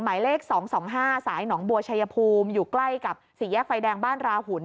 หมายเลข๒๒๕สายหนองบัวชัยภูมิอยู่ใกล้กับสี่แยกไฟแดงบ้านราหุ่น